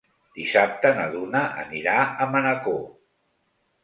Dissabte na Duna anirà a Manacor.